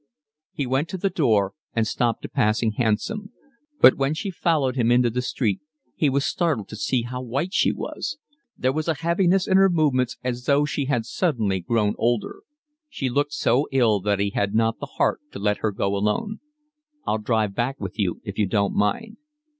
He went to the door and stopped a passing hansom; but when she followed him into the street he was startled to see how white she was. There was a heaviness in her movements as though she had suddenly grown older. She looked so ill that he had not the heart to let her go alone. "I'll drive back with you if you don't mind."